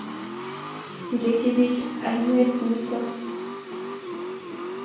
Tilei biich aywet nito